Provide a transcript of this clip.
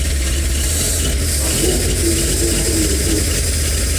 А гъуэгум тету Ӏуэхур йокӀуэкӀ.